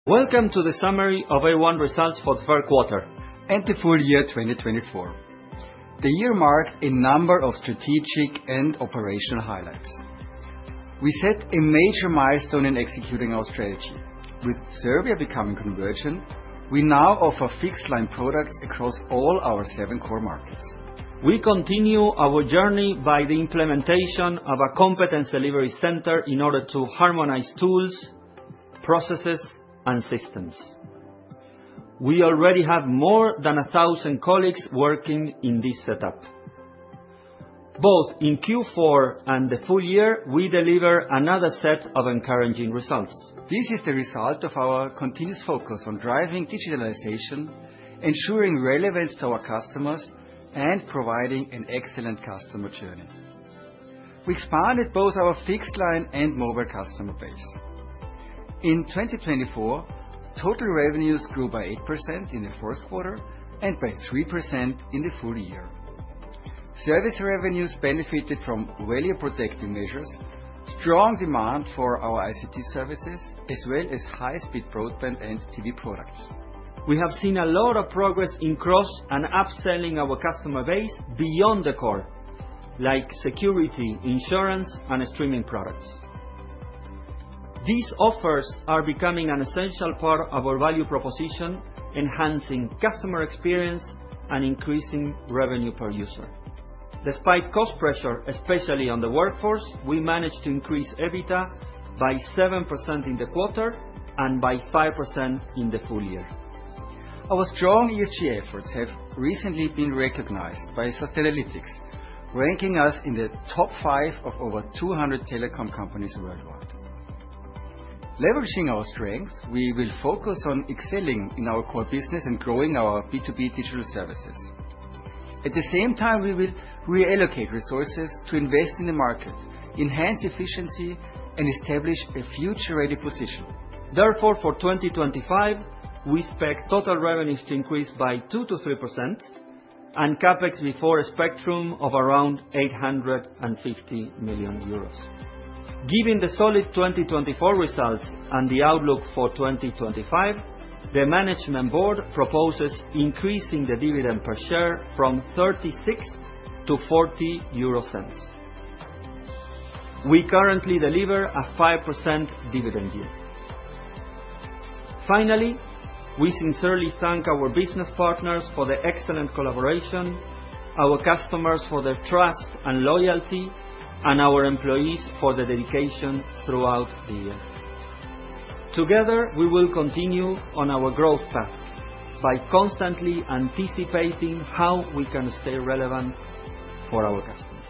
Welcome to the summary of A1 results for the third quarter and the full year 2024. The year marked a number of strategic and operational highlights. We set a major milestone in executing our strategy. With Serbia becoming convergent, we now offer fixed-line products across all our seven core markets. We continue our journey by the implementation of a Competence Delivery Center in order to harmonize tools, processes, and systems. We already have more than 1,000 colleagues working in this setup. Both in Q4 and the full year, we deliver another set of encouraging results. This is the result of our continuous focus on driving digitalization, ensuring relevance to our customers, and providing an excellent customer journey. We expanded both our fixed-line and mobile customer base. In 2024, total revenues grew by 8% in the fourth quarter and by 3% in the full year. Service revenues benefited from value-protecting measures, strong demand for our ICT services, as well as high-speed broadband and TV products. We have seen a lot of progress in cross and upselling our customer base beyond the core, like security, insurance, and streaming products. These offers are becoming an essential part of our value proposition, enhancing customer experience and increasing revenue per user. Despite cost pressure, especially on the workforce, we managed to increase EBITDA by 7% in the quarter and by 5% in the full year. Our strong ESG efforts have recently been recognized by Sustainalytics, ranking us in the top five of over 200 telecom companies worldwide. Leveraging our strengths, we will focus on excelling in our core business and growing our B2B digital services. At the same time, we will reallocate resources to invest in the market, enhance efficiency, and establish a future-ready position. Therefore, for 2025, we expect total revenues to increase by 2% to 3% and CapEx before a spectrum of around €850 million. Given the solid 2024 results and the outlook for 2025, the Management Board proposes increasing the dividend per share from €36 to €40. We currently deliver a 5% dividend yield. Finally, we sincerely thank our business partners for the excellent collaboration, our customers for their trust and loyalty, and our employees for their dedication throughout the year. Together, we will continue on our growth path by constantly anticipating how we can stay relevant for our customers.